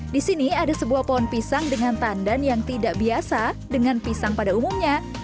di sini ada sebuah pohon pisang dengan tandan yang tidak biasa dengan pisang pada umumnya